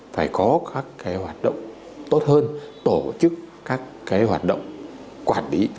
phải có các hoạt động tốt hơn tổ chức các hoạt động quản lý